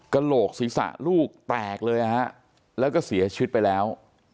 กระโหลกศีรษะลูกแตกเลยฮะแล้วก็เสียชีวิตไปแล้ว